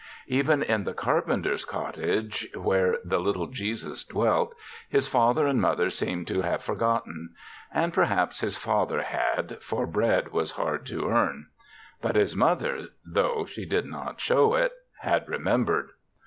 Even in the carpenter's cottage, where the little Jesus dwelt, his fa ther and mother seemed to have for gotten. And perhaps his father had, for bread was hard to earn. But his mother, though she did not show it, had remembered.